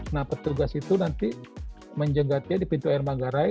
nah petugas itu nanti menjegatnya di pintu air manggarai